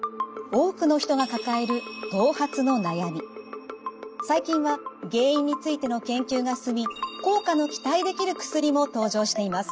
多くの人が抱える最近は原因についての研究が進み効果の期待できる薬も登場しています。